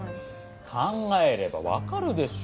考えればわかるでしょ。